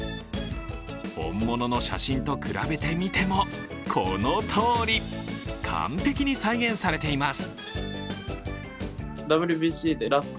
本物の写真と比べてみても、このとおり、完璧に再現されています。